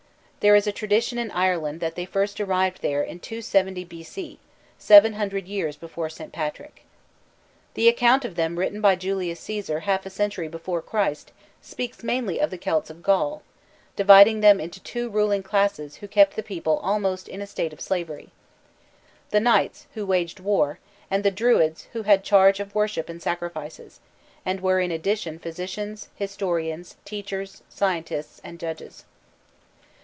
There is a tradition in Ireland that they first arrived there in 270 B. C., seven hundred years before St. Patrick. The account of them written by Julius Cæsar half a century before Christ speaks mainly of the Celts of Gaul, dividing them into two ruling classes who kept the people almost in a state of slavery; the knights, who waged war, and the Druids who had charge of worship and sacrifices, and were in addition physicians, historians, teachers, scientists, and judges.